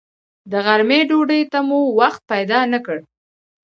د غرمې ډوډۍ ته مو وخت پیدا نه کړ.